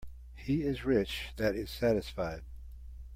He is rich that is satisfied.